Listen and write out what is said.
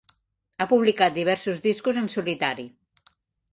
Ha publicat diversos discos en solitari.